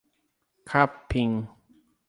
Capim